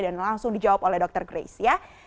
dan langsung dijawab oleh dr grace ya